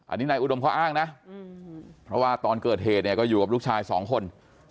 อันนี้นายอุดมเขาอ้างนะเพราะว่าตอนเกิดเหตุเนี่ยก็อยู่กับลูกชายสองคน